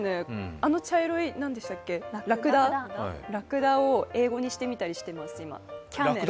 あの茶色いらくだを英語にしてみたりしてますか？